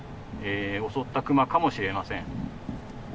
襲ったクマかもしれません。